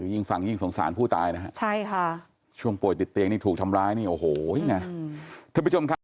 ยิ่งฟังยิ่งสงสารผู้ตายนะฮะช่วงป่วยติดเตียงนี่ถูกทำร้ายนี่โอ้โหยังไง